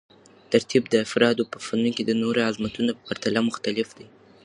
ترتیب د افرادو په فنون کې د نورو عظمتونو په پرتله مختلف دی.